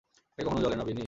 আগে কখনো জলে নাবিনি।